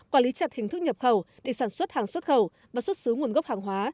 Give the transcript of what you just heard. quản lý chặt hình thức nhập khẩu để sản xuất hàng xuất khẩu và xuất xứ nguồn gốc hàng hóa